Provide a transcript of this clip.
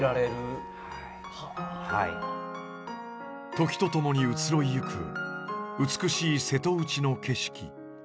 時とともに移ろいゆく美しい瀬戸内の景色。